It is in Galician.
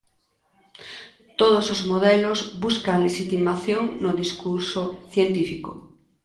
Todos os modelos buscan lexitimación no discurso científico.